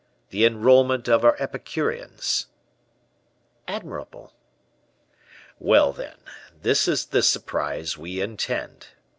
the enrolment of our Epicureans." "Admirable." "Well, then; this is the surprise we intend. M.